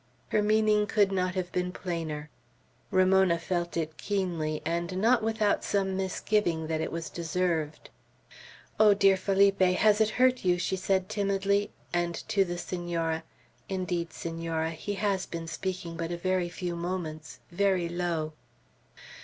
her meaning could not have been plainer. Ramona felt it keenly, and not without some misgiving that it was deserved. "Oh, dear Felipe, has it hurt you?" she said timidly; and to the Senora, "Indeed, Senora, he has been speaking but a very few moments, very low."